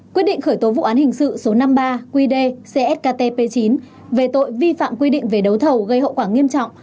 quyết định khởi tố vụ án hình sự số năm mươi ba qd cktp chín về tội vi phạm quy định về đấu thầu gây hậu quả nghiêm trọng